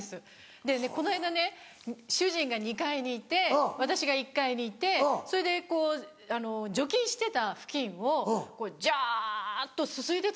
でねこの間ね主人が２階にいて私が１階にいてそれでこう除菌してた布巾をジャっとすすいでたんですよ。